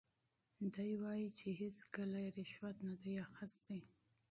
دی وایي چې هیڅکله یې رشوت نه دی اخیستی.